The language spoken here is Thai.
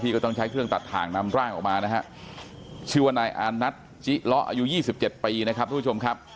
ก็ต้องใช้เครื่องตัดถ่างนำร่างออกมานะฮะชื่อว่านายอานัทจิเลาะอายุ๒๗ปีนะครับทุกผู้ชมครับ